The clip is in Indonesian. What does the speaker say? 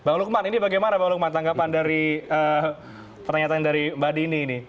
pak lukman ini bagaimana pak lukman tanggapan dari pertanyaan dari mbak dini ini